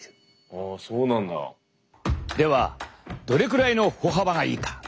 ではどれぐらいの歩幅がいいか？